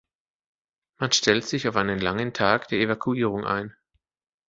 Man stellt sich auf einen langen Tag der Evakuierung ein.